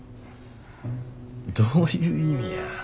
どういう意味や。